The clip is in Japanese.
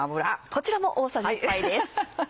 こちらも大さじ１杯です。